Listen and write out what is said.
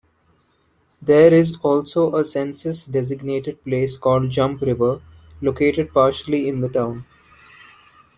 There is also a census-designated place called Jump River located partially in the town.